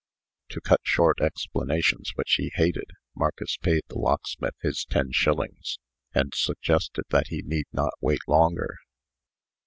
To cut short explanations, which he hated, Marcus paid the locksmith his ten shillings, and suggested that he need not wait longer.